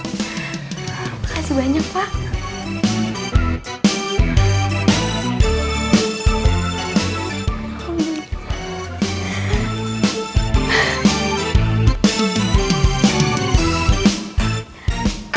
terima kasih banyak pak